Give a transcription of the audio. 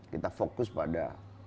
kita fokus pada